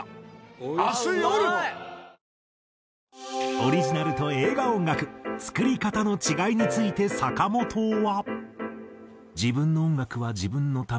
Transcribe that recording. オリジナルと映画音楽作り方の違いについて坂本は。